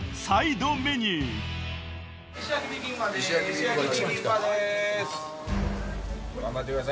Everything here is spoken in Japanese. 石焼ピビンパです。